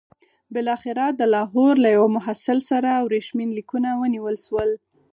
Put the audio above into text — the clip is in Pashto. بالاخره د لاهور له یوه محصل سره ورېښمین لیکونه ونیول شول.